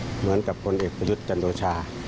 เหมือนกับคนเอกประยุทธ์จันโอชา